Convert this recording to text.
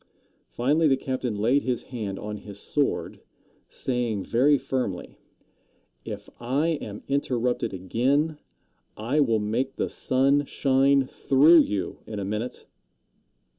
Finally the captain laid his hand on his sword, saying very firmly: "If I am interrupted again, I will make the sun shine through you in a minute."